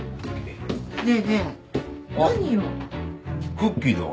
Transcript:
クッキーだ。